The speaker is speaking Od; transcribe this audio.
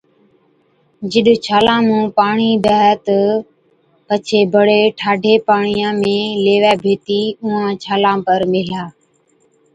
جِڏ ڇالان مُون پاڻِي بيهَي تہ پڇي بڙي ٺاڍي پاڻِيان ۾ ليوَي ڀيتِي اُونهان ڇالان پر ميهلا۔